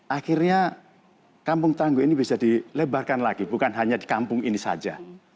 akhirnya kampung tangguh ini bisa dilebarkan lagi bukan hanya di kampung ini saja